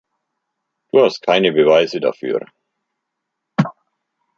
Du hast keine Beweise dafür!